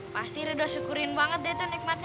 pasti redo syukurin banget deh tuh nikmatnya